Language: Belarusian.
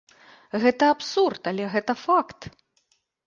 Гэта абсурд, але гэта факт.